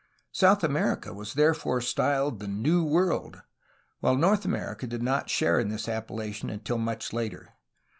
South America was therefore styled the ''New World," while North America did not share in this appella tion until much later.